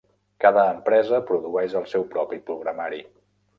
Cada empresa produeix el seu propi programari.